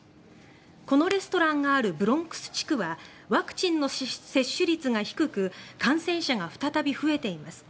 このレストランがあるブロンクス地区はワクチンの接種率が低く感染者が再び増えています。